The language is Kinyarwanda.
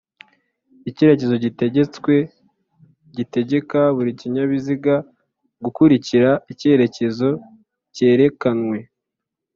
Icyerekezo gitegetswe gitegeka buri kinyabiziga gukurikira ikerekezo kerekanywe